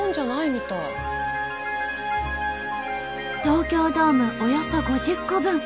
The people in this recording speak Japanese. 東京ドームおよそ５０個分。